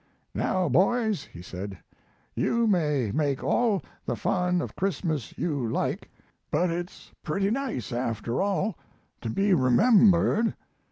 "Now, boys," he said, "you may make all the fun of Christmas you like, but it's pretty nice, after all, to be remembered."